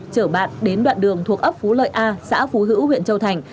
chở bạn đến đoạn đường thuộc ấp phú lợi a xã phú hữu huyện châu thành